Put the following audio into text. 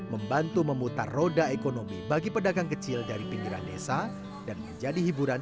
membantu memutar roda ekonomi bagi pedagang kecil dari pinggiran desa dan menjadi hiburan